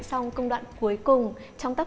xong công đoạn cuối cùng